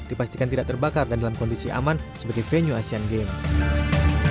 dipastikan tidak terbakar dan dalam kondisi aman sebagai venue asian games